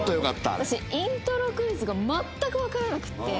私イントロクイズが全くわからなくって。